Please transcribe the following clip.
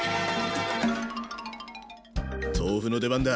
豆腐の出番だ！